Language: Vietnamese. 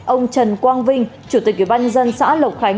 ông trần quang vinh chủ tịch ủy ban nhân dân xã lộc khánh